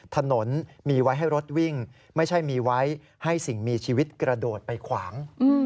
ถนนมีไว้ให้รถวิ่งไม่ใช่มีไว้ให้สิ่งมีชีวิตกระโดดไปขวาง